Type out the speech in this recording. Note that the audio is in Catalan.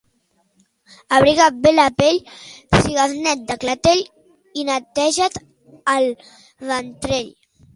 Abriga't bé la pell, sigues net de clatell i neteja't el ventrell.